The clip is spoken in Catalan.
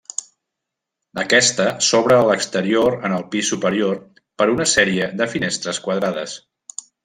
Aquesta s'obre a l'exterior en el pis superior per una sèrie de finestres quadrades.